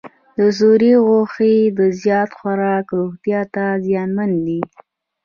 د سور غوښې زیات خوراک روغتیا ته زیانمن دی.